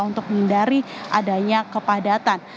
untuk menghindari adanya kepadatan